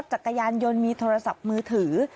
จักรยานยนต์มีโทรศัพท์มือถือ